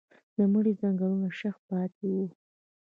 د مړي ځنګنونه شخ پاتې وو.